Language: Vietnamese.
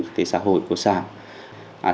kinh tế xã hội của xã